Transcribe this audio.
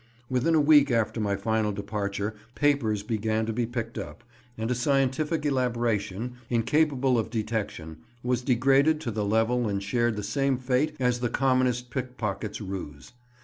Within a week after my final departure, papers began to be picked up, and a scientific elaboration, incapable of detection, was degraded to the level and shared the same fate as the commonest pickpocket's ruse.